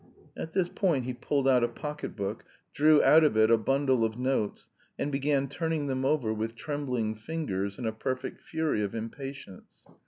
At this point he pulled out a pocket book, drew out of it a bundle of notes, and began turning them over with trembling fingers in a perfect fury of impatience.